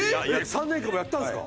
３年間もやったんですか？